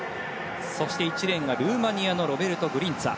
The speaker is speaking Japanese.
そして、１レーンはルーマニアのロベルト・グリンツァ。